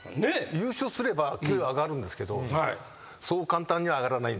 優勝すれば給料上がるんですけどそう簡単には上がらないんですよ。